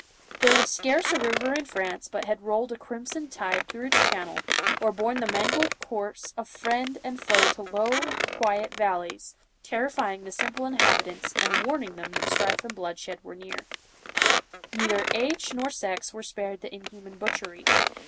There was scarce a river in France but had rolled a crimson tide through its channel, or borne the mangled corse of friend and foe to low, quiet yvalleys, terrifying the simple inhabi tants and warning them that strife and bloodshed were Neither age nor sex were spared the inhuman near. butchery.